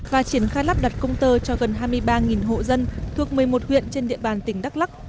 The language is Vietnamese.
và triển khai lắp đặt công tơ cho gần hai mươi ba hộ dân thuộc một mươi một huyện trên địa bàn tỉnh đắk lắc